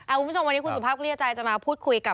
คุณผู้ชมวันนี้คุณสุภาพคลี่ใจจะมาพูดคุยกับ